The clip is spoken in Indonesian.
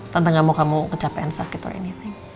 tante gak mau kamu kecapean sakit or anything